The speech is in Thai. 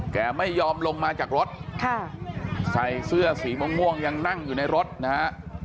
แกไม่ยอมลงมาจากรถค่ะใส่เสื้อสีม่วงยังนั่งอยู่ในรถนะฮะ